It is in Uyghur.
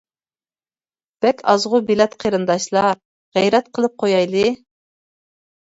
بەك ئازغۇ بىلەت قېرىنداشلار، غەيرەت قىلىپ قويايلى.